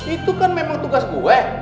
itu kan memang tugas gue